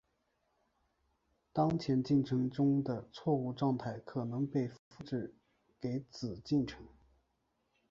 当前进程中的错误状态可能被复制给子进程。